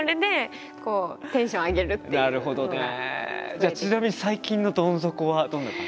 じゃあちなみに最近のどん底はどんな感じでした？